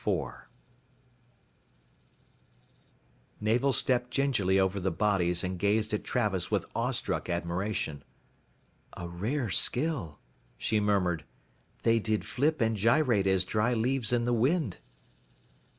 Navel stopped gingerly over the bodies and gazed at Travis with awestruck admiration. "A rare skill," she murmured, "they did flip and gyrate as dry leaves in the wind."